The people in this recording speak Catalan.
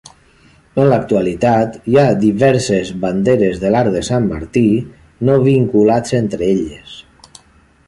En l'actualitat hi ha diverses banderes de l'arc de Sant Martí no vinculats entre elles.